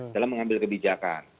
dalam mengambil kebijakan